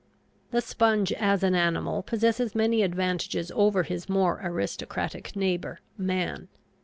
The sponge as an animal possesses many advantages over his more aristocratic neighbor, man.